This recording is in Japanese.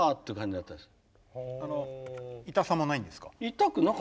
あの痛さもないんですか？